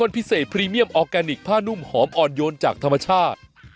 เดี๋ยวกลับมานะ